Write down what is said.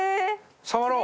触ろう！